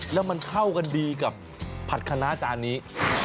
แล้วมันเข้ากันดีกับผัดคณะจานนี้